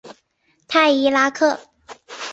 泰伊拉克。